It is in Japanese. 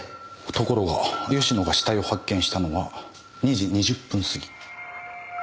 ところが吉野が死体を発見したのは２時２０分過ぎ。